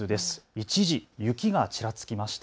一時、雪がちらつきました。